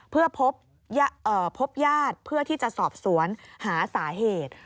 เพื่อพบญาติเพื่อที่จะสอบสวนหาสาเหตุ